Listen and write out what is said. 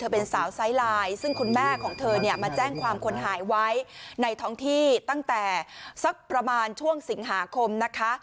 เป็นสาวไซส์ไลน์ซึ่งคุณแม่ของเธอเนี่ยมาแจ้งความคนหายไว้ในท้องที่ตั้งแต่สักประมาณช่วงสิงหาคมนะคะ